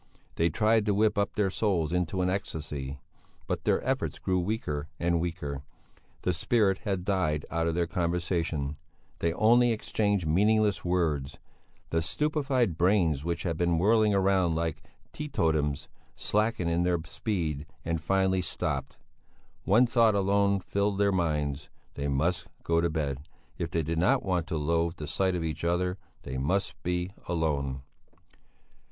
They tried to whip up their souls into an ecstasy, but their efforts grew weaker and weaker; the spirit had died out of their conversation; they only exchanged meaningless words; the stupefied brains which had been whirling round like teetotums, slackened in their speed and finally stopped; one thought alone filled their minds they must go to bed, if they did not want to loathe the sight of each other; they must be alone.